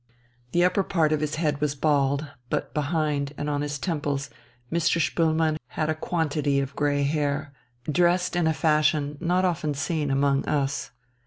The upper part of his head was bald, but behind and on his temples Mr. Spoelmann had a quantity of grey hair, dressed in a fashion not often seen among us.